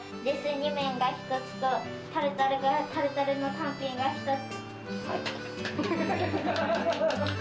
２麺が１つとタルタルの単品が１つ。